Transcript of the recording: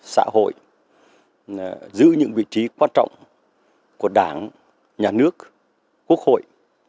xã hội giữ những vị trí quan trọng của đảng nhà nước quốc hội